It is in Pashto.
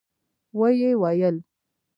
و يې ويل.